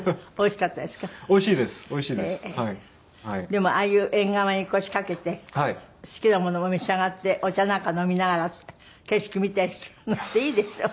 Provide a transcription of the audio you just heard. でもああいう縁側に腰掛けて好きなものも召し上がってお茶なんか飲みながら景色見たりするのっていいでしょ？